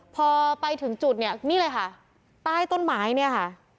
พอไปถึงจุดเนี่ยนี่เลยค่ะใต้ต้นไม้เนี่ยค่ะ